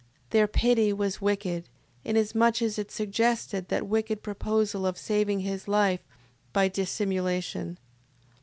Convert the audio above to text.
Their pity was wicked, inasmuch as it suggested that wicked proposal of saving his life by dissimulation.